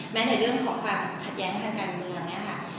ในเรื่องของความขัดแย้งทางการเมืองเนี่ยค่ะ